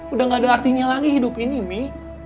udah gak ada artinya lagi hidup ini mi